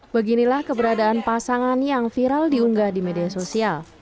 beginilah keberadaan pasangan yang viral diunggah di media sosial